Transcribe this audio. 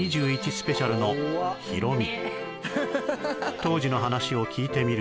スペシャルのヒロミ